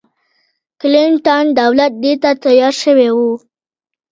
کلنټن دولت دې ته تیار شوی و.